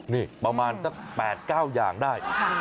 นี่ประมาณสัก๘๙อย่างได้